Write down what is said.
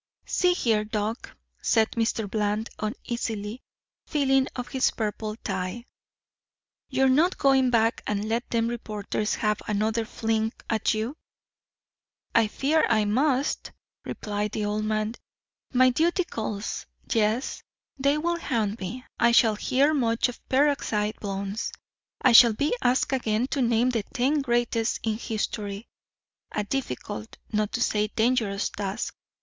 "See here, Doc," said Mr. Bland, uneasily feeling of his purple tie, "you're not going back and let them reporters have another fling at you?" "I fear I must," replied the old man. "My duty calls. Yes, they will hound me. I shall hear much of peroxide blondes. I shall be asked again to name the ten greatest in history, a difficult, not to say dangerous task.